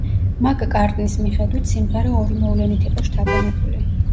მაკ-კარტნის მიხედვით, სიმღერა ორი მოვლენით იყო შთაგონებული.